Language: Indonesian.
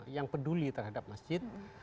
yang peduli terhadap masjid